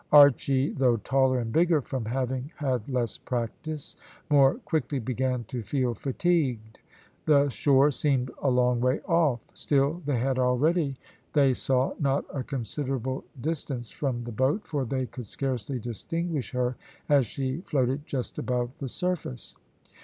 Archy, though taller and bigger, from having had less practice, more quickly began to feel fatigued. The shore seemed a long way off; still they had already, they saw, not a considerable distance from the boat, for they could scarcely distinguish her as she floated just above the surface.